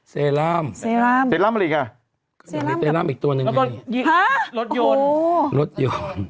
สลิมด้วย